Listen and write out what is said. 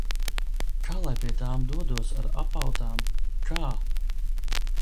Kā lai pie tām dodos ar apautām? Kā?